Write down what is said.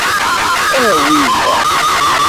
Awi wa.